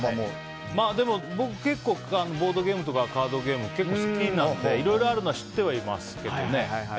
でも僕ボードゲームとかカードゲームは結構好きなんでいろいろあるのは知ってはいますけどね。